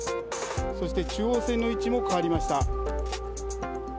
そして、中央線の位置も変わりました。